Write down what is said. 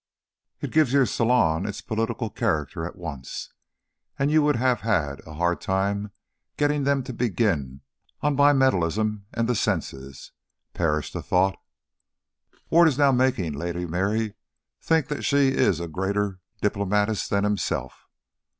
It gives your salon its political character at once; you would have had a hard time getting them to begin on bimetallism and the census perish the thought! Ward is now making Lady Mary think that she is a greater diplomatist than himself.